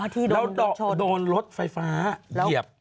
อ๋อที่โดนรถชดโดนรถไฟฟ้าเหยียบ